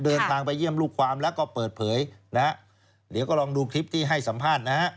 เดินทางไปเยี่ยมลูกความแล้วก็เปิดเผยนะฮะเดี๋ยวก็ลองดูคลิปที่ให้สัมภาษณ์นะฮะ